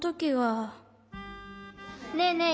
ねえねえ